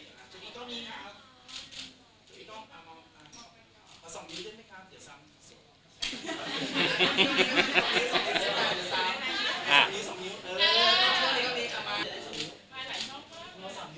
ตามสบายจะสัมภาษณ์กันก็เชิญครับ